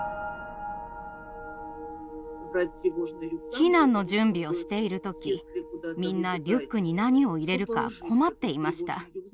避難の準備をしている時みんなリュックに何を入れるか困っていました。